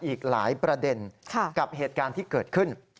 อีกหลายประเด็นกับเหตุการณ์ที่เกิดขึ้น